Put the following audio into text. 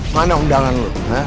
mana undangan lu